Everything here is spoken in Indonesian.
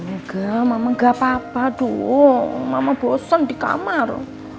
nggak mama nggak apa apa dong mama bosan di kamar